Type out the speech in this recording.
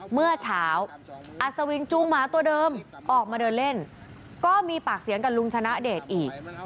เมื่อเช้าอัศวินจูงหมาตัวเดิมออกมาเดินเล่นก็มีปากเสียงกับลุงชนะเดชอีก